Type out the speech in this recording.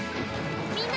みんな！